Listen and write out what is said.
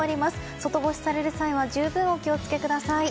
外干しされる際は十分、お気を付けください。